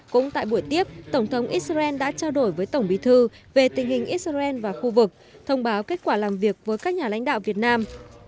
cũng tại buổi tiếp tổng thống israel đã trao đổi với tổng bí thư về tình hình israel và khu vực thông báo kết quả làm việc với các nhà lãnh đạo việt nam